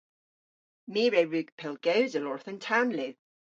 My re wrug pellgewsel orth an tanlu.